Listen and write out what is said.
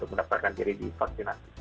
melepaskan diri di vaksinasi